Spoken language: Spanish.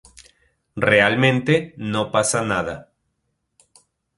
Realmente, no pasa nada.